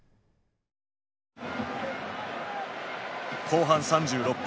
後半３６分。